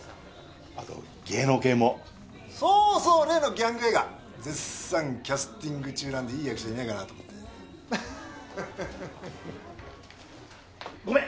あと芸能系も・そうそう例のギャング映画・絶賛キャスティング中なんでいい役者いないかなと思ってアッハッハッハッごめん